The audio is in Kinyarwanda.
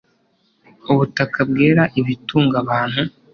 ubutaka bwera ibitunga abantu